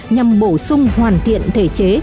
nhằm bổ sung hoàn thiện thể chế